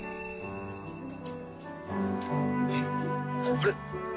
あれ？